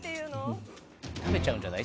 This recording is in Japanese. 食べちゃうんじゃない？